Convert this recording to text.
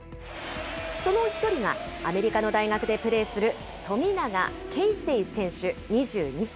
その１人が、アメリカの大学でプレーする富永啓生選手２２歳。